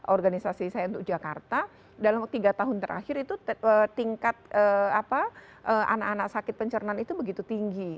organisasi saya untuk jakarta dalam tiga tahun terakhir itu tingkat anak anak sakit pencernaan itu begitu tinggi